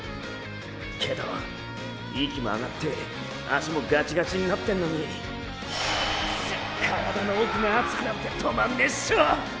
けど息も上がって足もガチガチんなってんのに体の奥が熱くなって止まんねェショ！